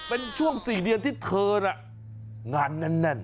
เป็นช่วง๔เดือนที่เธอน่ะงานแน่น